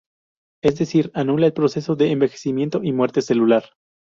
Es decir, anula el proceso de envejecimiento y muerte celular.